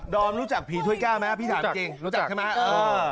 อมรู้จักผีถ้วยแก้วไหมพี่ถามจริงรู้จักใช่ไหม